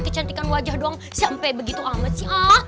kecantikan wajah dong sampai begitu amat sih